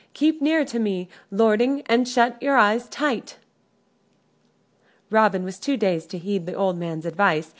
Keep near to me, lording, and shut your eyes tight." Robin was too dazed to heed the old man's advice.